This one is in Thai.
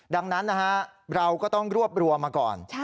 ดังนั้นนะฮะเราก็ต้องรวบรวมมาก่อน